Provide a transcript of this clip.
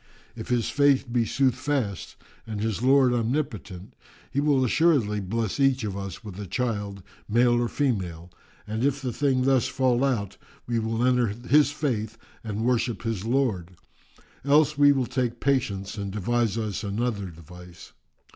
If his Faith be soothfast and his Lord Omnipotent, He will assuredly bless each of us with a child male or female, and if the thing thus fall out, we will enter his faith and worship his Lord; else will we take patience and devise us another device."